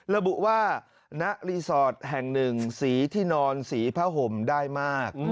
ระบุว่าณรีสอร์ทแห่งหนึ่งสีที่นอนสีผ้าห่มได้มาก